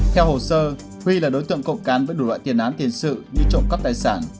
theo hồ sơ huy là đối tượng cộng cán với đủ loại tiền án tiền sự như trộm cắp tài sản